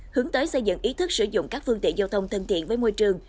hướng tới xây dựng ý thức sử dụng các phương tiện giao thông thân thiện với môi trường